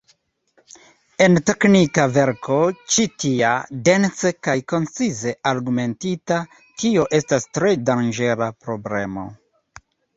En teĥnika verko ĉi tia, dense kaj koncize argumentita, tio estas tre danĝera problemo.